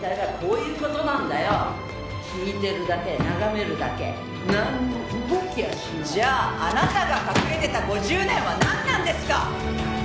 「聞いてるだけ眺めるだけなんも動きゃしない」「じゃああなたが隠れてた５０年はなんなんですか！」